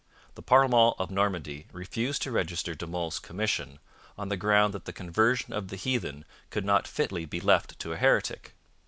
The Parlement of Normandy refused to register De Monts' commission on the ground that the conversion of the heathen could not fitly be left to a heretic.